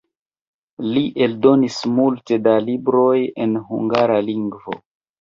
Li eldonis multe da libroj en hungara lingvo.